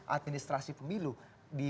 administrasi pemilu di